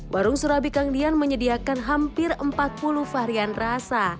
warung surabikangdian menyediakan hampir empat puluh varian rasa